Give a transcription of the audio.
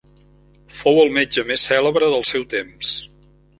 Fou el metge més cèlebre del seu temps.